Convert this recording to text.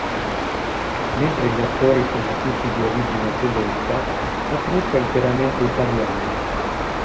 Mentre gli attori sono tutti di origine tedesca, la troupe è interamente italiana.